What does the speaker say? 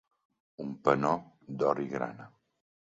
Un penó d'or i grana.